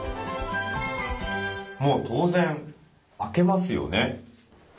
もう当然開けますよね。